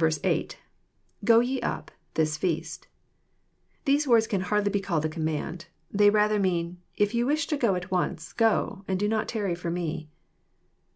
8. — IGo ye up„,this feast.'] These words can hardly be called a command. They rather mean, If you wish to go at once, go, and do not tarry for Me."